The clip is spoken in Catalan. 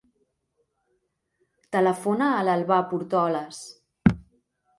Telefona a l'Albà Portoles.